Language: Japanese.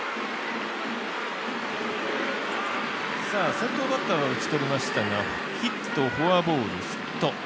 先頭バッターは打ちとりましたがヒット、フォアボール、ヒット。